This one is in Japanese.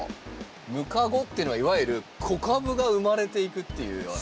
ムカゴっていうのはいわゆる子株が生まれていくっていうような。